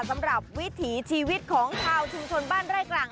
สำหรับวิถีชีวิตของชุมชนบ้านไร่กลาง